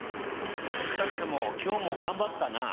２人とも今日も頑張ったなあ。